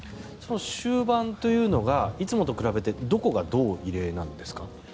終盤というのがいつもと比べてどこがどう異例なんですか？